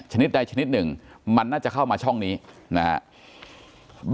ใดชนิดหนึ่งมันน่าจะเข้ามาช่องนี้นะครับ